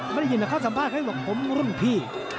ไม่ได้ยินแต่เขาสัมภาษณ์เขาบอกผมรุ่นพี่